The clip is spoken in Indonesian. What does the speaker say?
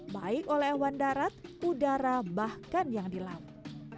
baik oleh hewan darat udara bahkan yang di laut